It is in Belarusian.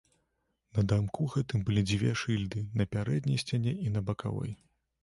На дамку гэтым былі дзве шыльды на пярэдняй сцяне і на бакавой.